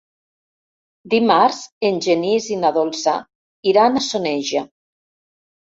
Dimarts en Genís i na Dolça iran a Soneja.